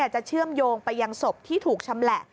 เชื่อมโยงไปยังศพที่ถูกชำแหละ